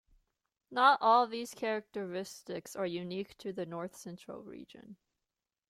Not all of these characteristics are unique to the North Central region.